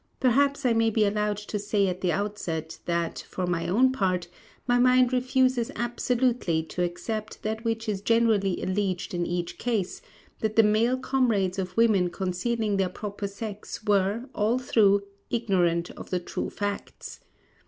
Perhaps I may be allowed to say at the outset that, for my own part, my mind refuses absolutely to accept that which is generally alleged in each case, that the male comrades of women concealing their proper sex were, all through, ignorant of the true facts.